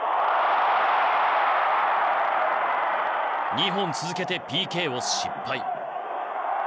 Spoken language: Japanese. ２本続けてＰＫを失敗。